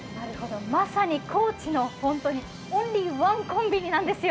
まさに高知のオンリーワンコンビニなんですよ。